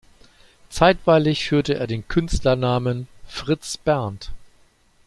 Zeitweilig führte er den Künstlernamen "Fritz Bernd".